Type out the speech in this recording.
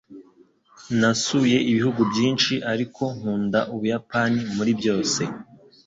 Nasuye ibihugu byinshi, ariko nkunda Ubuyapani muri byose.